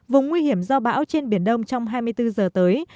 vùng nguy hiểm do bão trên biển đông trong hai mươi bốn giờ tới